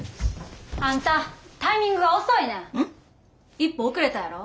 １歩遅れたやろ。